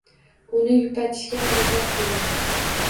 Uni yupatishga harakat qildim